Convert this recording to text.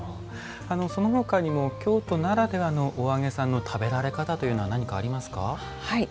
そのほかにも京都ならではのお揚げさんの食べられ方というのは何かありますか？